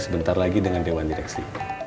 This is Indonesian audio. sebentar lagi dengan dewan direksi